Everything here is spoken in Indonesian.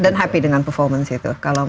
dan happy dengan performance itu